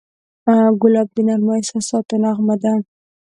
ګلاب د نرمو احساساتو نغمه ده.